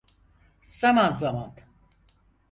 Zaman zaman.